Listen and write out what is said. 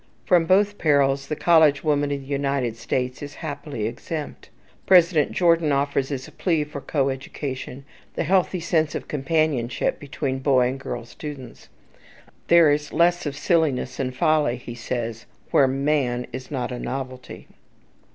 From both perils the college woman in the United States is happily exempt. President Jordan offers as a plea for co education the healthy sense of companionship between boy and girl students. "There is less of silliness and folly," he says, "where man is not a novelty."